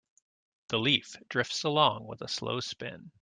The leaf drifts along with a slow spin.